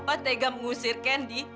ketemu sama kendi